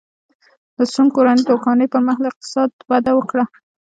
د سونګ کورنۍ د واکمنۍ پرمهال اقتصاد وده وکړه.